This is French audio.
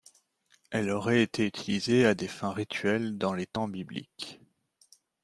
Elle aurait été utilisée à des fins rituelles dans les temps bibliques.